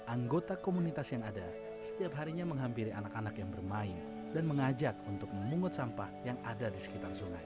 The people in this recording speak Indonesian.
anggota komunitas yang ada setiap harinya menghampiri anak anak yang bermain dan mengajak untuk memungut sampah yang ada di sekitar sungai